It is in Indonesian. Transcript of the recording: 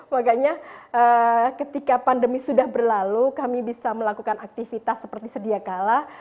makanya ketika pandemi sudah berlalu kami bisa melakukan aktivitas seperti sedia kala